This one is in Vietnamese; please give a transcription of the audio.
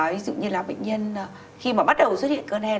ví dụ như là bệnh nhân khi bắt đầu xuất hiện cơn hen